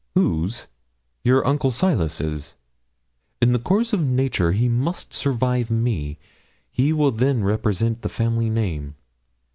'Whose? your uncle Silas's. In the course of nature he must survive me. He will then represent the family name.